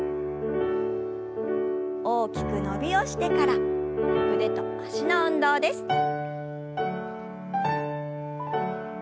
大きく伸びをしてから腕と脚の運動です。